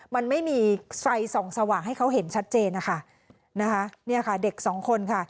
มันไม่มีไฟส่องสว่างให้เขาเห็นชัดเจนนะคะเนี่ยค่ะเด็กสองคนค่ะ